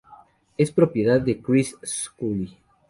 Es propiedad de Chris Scully.